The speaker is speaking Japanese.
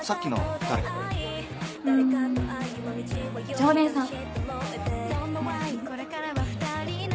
常連さん。